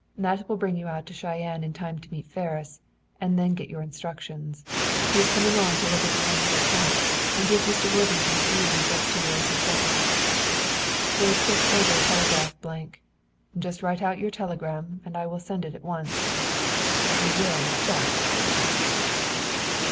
That will bring you out to Cheyenne in time to meet Ferris, and then get your instructions. He is coming on to look at the annual accounts and give Mr. Worthington's views as to your successor." Wade pushed over a telegraph blank. "Just write out your telegram, and I will send it on at once. You will accept, of course."